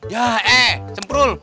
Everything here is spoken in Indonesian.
yah eh semprul